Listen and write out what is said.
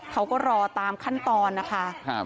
เขาก็รอตามขั้นตอนนะคะ